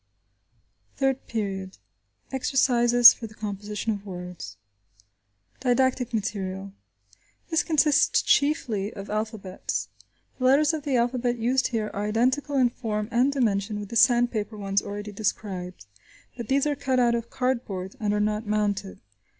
THIRD PERIOD: EXERCISES FOR THE COMPOSITION OF WORDS Didactic Material. This consists chiefly of alphabets. The letters of the alphabet used here are identical in form and dimension with the sandpaper ones already described, but these are cut out of cardboard and are not mounted.